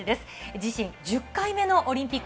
自身１０回目のオリンピック。